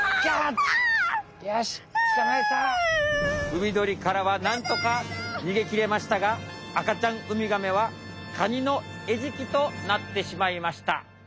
「ウミドリからはなんとか逃げきれましたが赤ちゃんウミガメはカニのえじきとなってしまいました。